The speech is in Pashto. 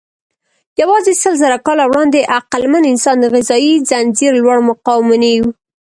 یواځې سلزره کاله وړاندې عقلمن انسان د غذایي ځنځير لوړ مقام ونیو.